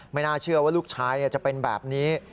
น่าเชื่อว่าลูกชายจะเป็นแบบนี้